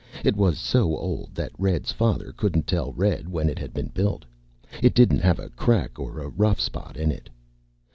It was so old that Red's father couldn't tell Red when it had been built. It didn't have a crack or a rough spot in it.